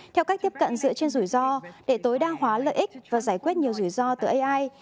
theo cách tiếp cận dựa trên rủi ro để tối đa hóa lợi ích và giải quyết nhiều rủi ro từ ai